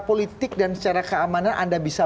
politik dan secara keamanan anda bisa